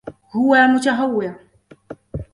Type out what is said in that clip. هو متهور.